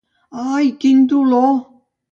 Ai, quin dolor!